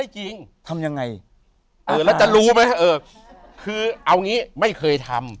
เช่นเช่นเหรอ